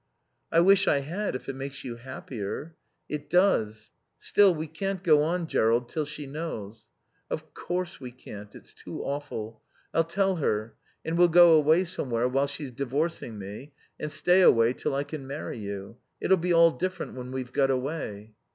"I wish I had, if it makes you happier." "It does. Still, we can't go on, Jerrold, till she knows." "Of course we can't. It's too awful. I'll tell her. And we'll go away somewhere while she's divorcing me, and stay away till I can marry you.... It'll be all different when we've got away."